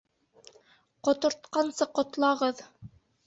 Ҡотортҡансы ҡотлағыҙ.